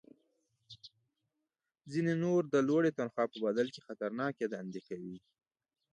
ځینې نور د لوړې تنخوا په بدل کې خطرناکې دندې کوي